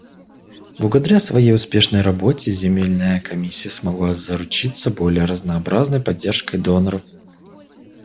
Благодаря своей успешной работе Земельная комиссия смогла заручиться более разнообразной поддержкой доноров.